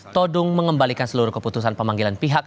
todung mengembalikan seluruh keputusan pemanggilan pihak